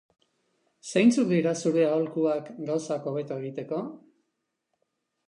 Zeintzuk dira zure aholkuak gauzak hobeto egiteko?